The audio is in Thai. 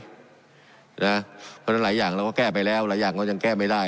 เพราะฉะนั้นหลายอย่างเราก็แก้ไปแล้วหลายอย่างเรายังแก้ไม่ได้